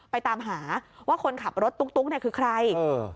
ตามหาว่าคนขับรถตุ๊กเนี่ยคือใคร